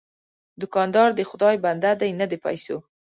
دوکاندار د خدای بنده دی، نه د پیسو.